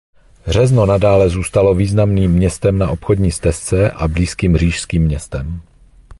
Řezno nadále zůstávalo významným městem na obchodní stezce a blízkým říšským městem.